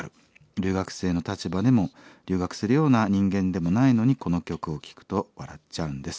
留学生の立場でも留学するような人間でもないのにこの曲を聴くと笑っちゃうんです。